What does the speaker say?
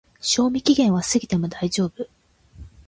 賞味期限は過ぎても大丈夫